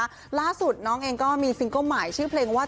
คุณชามุกขมคอเองก็มีซิงเกิ้ลหมายชื่อเพลงว่า